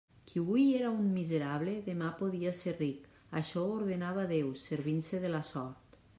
Qui hui era un miserable, demà podia ser ric: això ho ordenava Déu, servint-se de la sort.